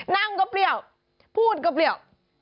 นั่งก็เปรี้ยวพูดก็เปรี้ยว